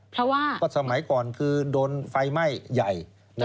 เพราะว่าสมัยก่อนคือโดนไฟไหม้ใหญ่